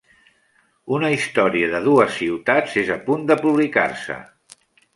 Una història de dues ciutats és a punt de publicar-se.